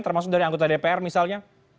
termasuk dari anggota dpr misalnya